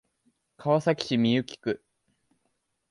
川崎市幸区